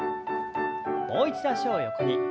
もう一度脚を横に。